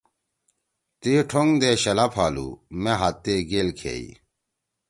تی ٹھونگ دے شلا پھالُو۔ مأ ہات تے گیل کھئی۔